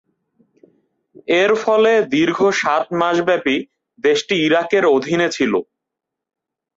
এর ফলে দীর্ঘ সাত মাসব্যাপী দেশটি ইরাকের অধীনে ছিল।